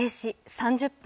３０分